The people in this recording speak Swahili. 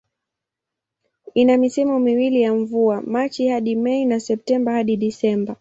Ina misimu miwili ya mvua, Machi hadi Mei na Septemba hadi Disemba.